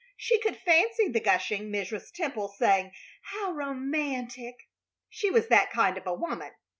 She could fancy the gushing Mrs. Temple saying, "How romantic!" She was that kind of a woman.